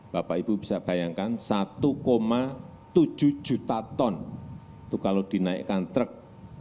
bapak ibu bisa bayangkan satu tujuh juta ton itu kalau dinaikkan truk